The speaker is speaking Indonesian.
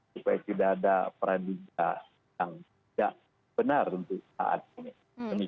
supaya tidak ada peradilan yang tidak benar untuk saat ini